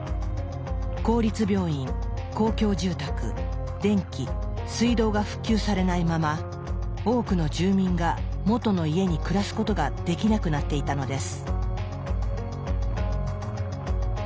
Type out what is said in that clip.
公立病院公共住宅電気水道が復旧されないまま多くの住民が元の家に暮らすことができなくなっていたのです。